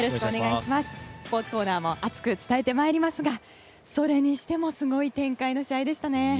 スポーツコーナーも熱く伝えてまいりますがそれにしてもすごい展開の試合でしたね。